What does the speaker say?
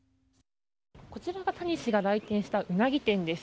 こちらが谷氏が来店したウナギ店です。